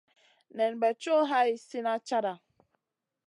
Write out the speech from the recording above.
Nen bè co hai slina cata.